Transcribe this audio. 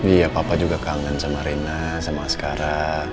iya papa juga kangen sama rena sama askara